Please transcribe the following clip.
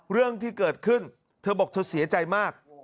เรื่องที่เกิดขึ้นเธอบอกเธอเสียใจมาก